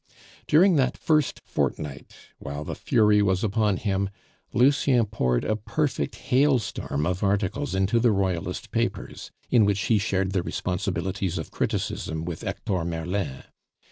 During that first fortnight, while the fury was upon him, Lucien poured a perfect hailstorm of articles into the Royalist papers, in which he shared the responsibilities of criticism with Hector Merlin.